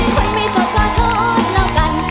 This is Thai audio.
คนไม่สุขก็โทษแล้วกัน